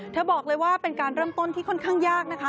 บอกเลยว่าเป็นการเริ่มต้นที่ค่อนข้างยากนะคะ